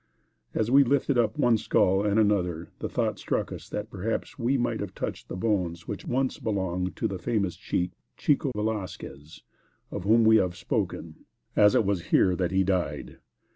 As we lifted up one skull and another, the thought struck us that, perhaps, we might have touched the bones which once belonged to the famous chief, Chico Velasques, of whom we have before spoken, as it was here that he died.